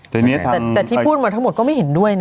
แต่ที่พูดมาทั้งหมดก็ไม่เห็นด้วยนะ